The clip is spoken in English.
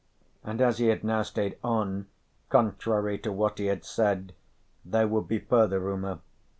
And as he had now stayed on, contrary to what he had said, there would be further rumour.